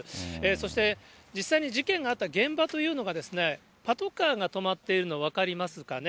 そして実際に事件があった現場というのがですね、パトカーが止まっているの分かりますかね。